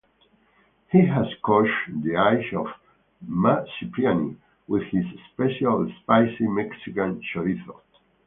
He has caught the eye of Ma Cipriani with his special spicy Mexican chorizo.